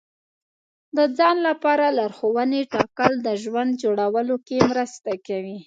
د ځان لپاره لارښوونې ټاکل د ژوند جوړولو کې مرسته کوي.